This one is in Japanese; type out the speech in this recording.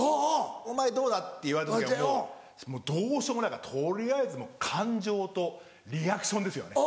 「お前どうだ？」って言われた時はもうどうしようもないから取りあえず感情とリアクションですよね。